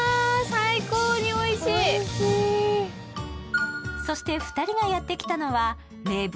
最高においしいおいしいそして２人がやってきたのは名物